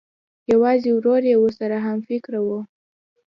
یوازې ورور یې ورسره همفکره و